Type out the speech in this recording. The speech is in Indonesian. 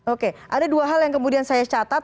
oke ada dua hal yang kemudian saya catat